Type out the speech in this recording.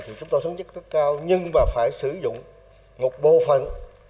thì chúng ta sẽ nhắc rất cao nhưng mà phải sử dụng một bộ phận